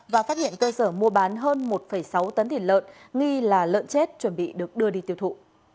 và phát hiện cơ sở mua bán hơn một sáu tấn thịt lợn nghi là lợn chết chuẩn bị được đưa đi tiêu thụ